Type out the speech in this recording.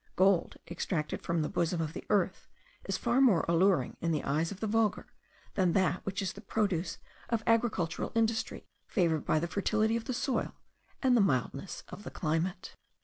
Gold extracted from the bosom of the earth is far more alluring in the eyes of the vulgar, than that which is the produce of agricultural industry, favoured by the fertility of the soil, and the mildness of the climate.